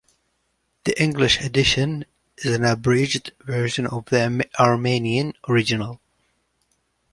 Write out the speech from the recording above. The English edition is an abridged version of the Armenian original.